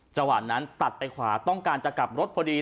จังหวะนั้นตัดไปขวาต้องการจะกลับรถพอดี